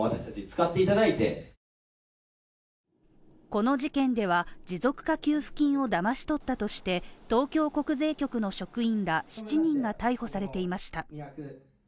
この事件では、持続化給付金をだまし取ったとして東京国税局の職員ら７人が逮捕されていました。